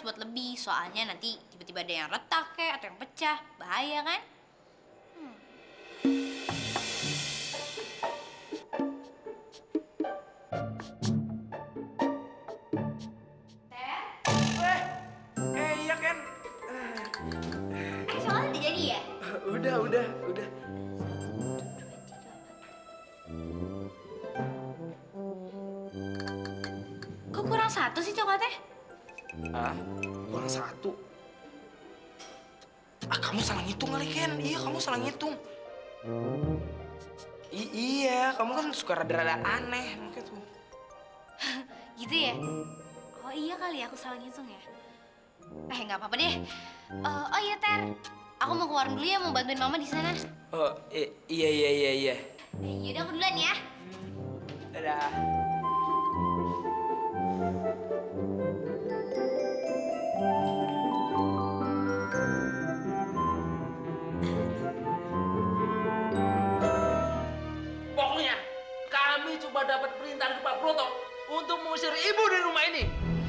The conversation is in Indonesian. pokoknya kami cuma dapat perintah dari pak broto untuk mengusir ibu di rumah ini